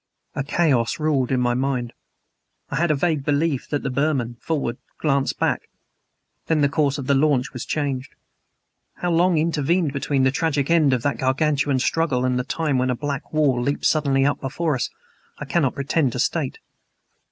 A chaos ruled in my mind. I had a vague belief that the Burman, forward, glanced back. Then the course of the launch was changed. How long intervened between the tragic end of that Gargantuan struggle and the time when a black wall leaped suddenly up before us I cannot pretend to state.